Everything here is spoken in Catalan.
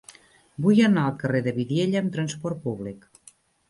Vull anar al carrer de Vidiella amb trasport públic.